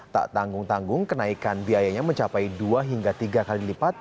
tak tanggung tanggung kenaikan biayanya mencapai dua hingga tiga kali lipat